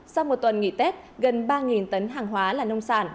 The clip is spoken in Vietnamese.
sau một tuần nghỉ tết gần ba tấn hàng hóa là nông sản